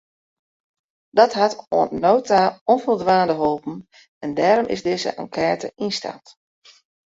Dat hat oant no ta ûnfoldwaande holpen en dêrom is dizze enkête ynsteld.